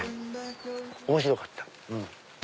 面白かった。